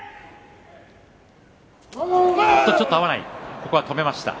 ここは止めました。